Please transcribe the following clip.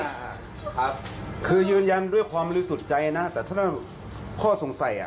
ครับคือยืนยันด้วยความรู้สุดใจนะแต่ถ้าข้อสงสัย